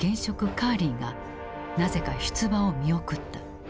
カーリーがなぜか出馬を見送った。